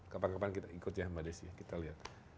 kapan kapan kita ikut ya mbak desi kita lihat